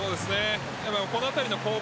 この辺りの攻防